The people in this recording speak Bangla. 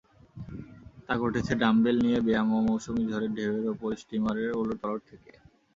তা ঘটেছে ডাম্বেল নিয়ে ব্যায়াম ও মৌসুমী ঝড়ে ঢেউয়ের উপর ষ্টীমারের ওলটপালট থেকে।